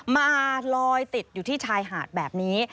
มาลอยติดอยู่ที่ชายหาดแบบนี้